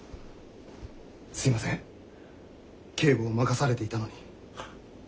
すいません警護を任されていたのに。